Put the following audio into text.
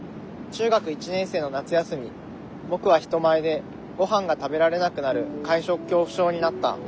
中学１年生の夏休み僕は人前でご飯が食べられなくなる会食恐怖症になった。